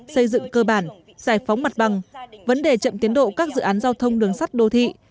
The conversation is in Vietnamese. xây dựng cơ bản giải phóng mặt bằng vấn đề chậm tiến độ các dự án giao thông đường sắt đô thị